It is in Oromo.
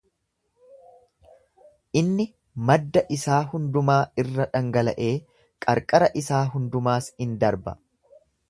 Inni madda isaa hundumaa irra dhangala'ee, qarqara isaa hundumaas in darba.